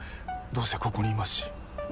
どうせここにいますし。